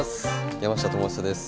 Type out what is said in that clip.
山下智久です。